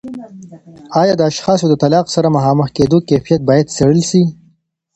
آیا د اشخاصو د طلاق سره مخامخ کیدو کیفیت باید څیړل سي؟